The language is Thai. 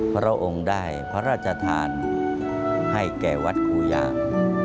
พระองค์ได้พระราชทานให้แก่วัดครูยาง